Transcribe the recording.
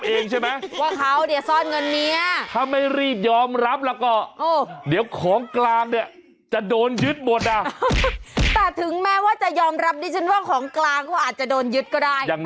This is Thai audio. เออสองปีแล้วจ้ะส่วนด้านนี้ล่าสุดเลย